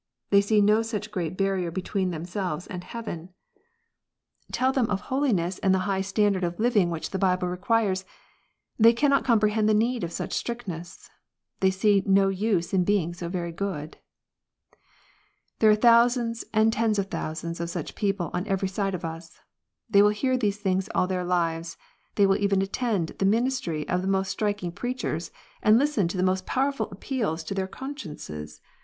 They see no such great barrier between themselves and heaven. 120 KNOTS UNTIED. i Tell them of holiness, and the high standard of living which I the Bible requires. They cannot comprehend the need of such Istrictness. They see no use in being so very good. 1 There are thousands and tens of thousands of such people on every side of us. They will hear these things all their lives. They will even attend the ministry of the most striking preachers, and listen to the most powerful appeals to their consciences.